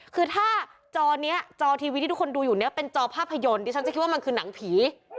คือถ้าจอนี้จอทีวีที่ทุกคนดูอยู่เนี่ยเป็นจอภาพยนตร์ดิฉันจะคิดว่ามันคือหนังผี